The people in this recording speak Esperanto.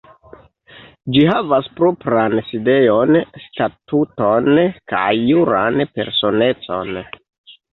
Ĝi havas propran sidejon, statuton kaj juran personecon.